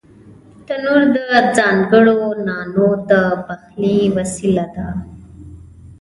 تنور د ځانگړو نانو د پخلي وسیله ده